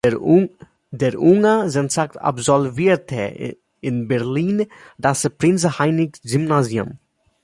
Der junge Jentzsch absolvierte in Berlin das Prinz-Heinrich-Gymnasium.